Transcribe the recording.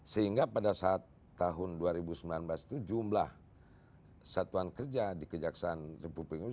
sehingga pada saat tahun dua ribu sembilan belas itu jumlah satuan kerja di kejaksaan republik indonesia